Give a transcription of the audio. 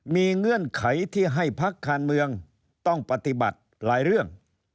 มีเงื่อนไขที่ให้พักการเมืองต้องปฏิบัติหลายเรื่อง